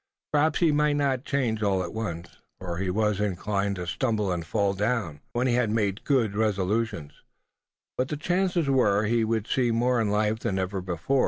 Perhaps he might not change all at once, for he was inclined to stumble, and fall down, when he had made good resolutions; but the chances were he would see more in life than ever before.